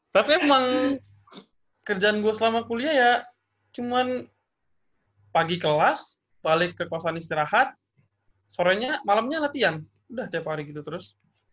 tapi emang kerjaan gua selama kuliah ya cuman pagi kelas balik ke kosan istirahat malamnya latihan udah tiap hari gitu terus